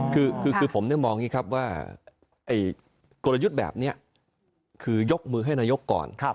คือผมมองอย่างนี้ครับว่ากลยุทธ์แบบนี้คือยกมือให้นายกก่อน